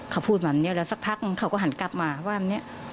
เขาพูดแบบนี้แล้วสักพักนึงเขาก็หันกลับมาว่าเนี่ย